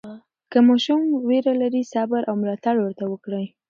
که ماشوم ویره لري، صبر او ملاتړ ورته وکړئ.